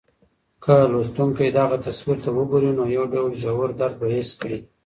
که لوستونکی دغه تصویر ته وګوري، نو یو ډول ژور درد به حس کړي.